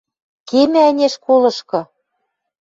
Кемӓ ӹне школышкы